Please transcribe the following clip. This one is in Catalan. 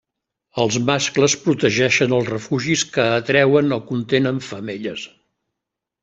Els mascles protegeixen els refugis que atreuen o contenen femelles.